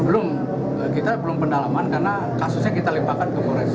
belum kita belum pendalaman karena kasusnya kita limpahkan ke polres